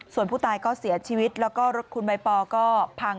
ส่วนผู้ตายก็เสียชีวิตแล้วก็รถคุณใบปอก็พัง